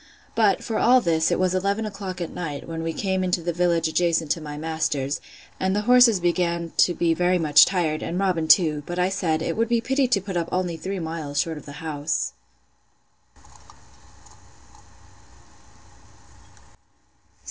But, for all this, it was eleven o'clock at night, when we came to the village adjacent to my master's; and the horses began to be very much tired, and Robin too: but I said, It would be pity to put up only three miles short of the house.